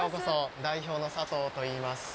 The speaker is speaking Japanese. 代表の佐藤といいます。